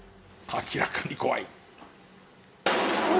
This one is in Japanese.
明らかに怖い。